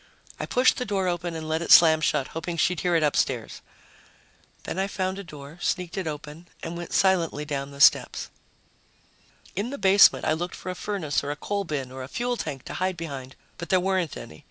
I pushed the door open and let it slam shut, hoping she'd hear it upstairs. Then I found a door, sneaked it open and went silently down the steps. In the basement, I looked for a furnace or a coal bin or a fuel tank to hide behind, but there weren't any.